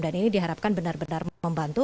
dan ini diharapkan benar benar membantu